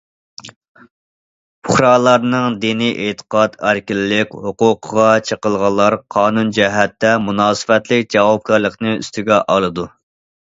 پۇقرالارنىڭ دىنىي ئېتىقاد ئەركىنلىك ھوقۇقىغا چېقىلغانلار قانۇن جەھەتتە مۇناسىۋەتلىك جاۋابكارلىقنى ئۈستىگە ئالىدۇ.